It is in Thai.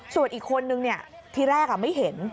ส่วนอีกคนนึงที่แรกไม่เห็น